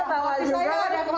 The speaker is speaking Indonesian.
pelatih saya sama ketawa